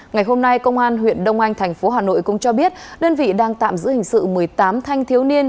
ngày hôm nay công an huyện đông anh thành phố hà nội cũng cho biết đơn vị đang tạm giữ hình sự một mươi tám thanh thiếu niên